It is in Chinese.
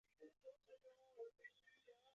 他也在雪梨夏季奥运结束后正式退休。